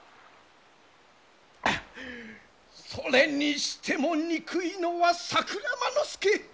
それにしても憎いのは桜間ノ介！